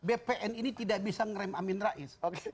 bpn ini tidak bisa ngerem aminul azhar